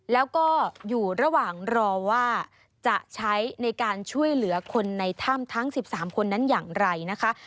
แล้วก็อยู่ระหว่างรอว่าจะใช้ในการช่วยเหลือคนในถ้ำทั้ง๑๓คนนั้นอย่างไรนะคะ